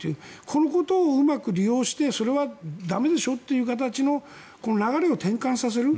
このことをうまく利用してそれはだめでしょという形のこの流れを転換させる。